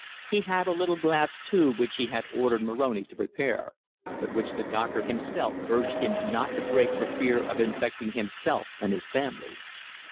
He had a little glass tube which he had ordered Moroni to prepare, but which the doctor himself urged him not to break for fear of infecting himself and his family."